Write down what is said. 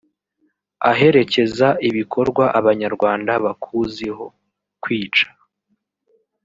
aherekeza ibikorwa abanyarwanda bakuzi ho (kwica